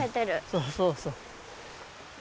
そうそうそう。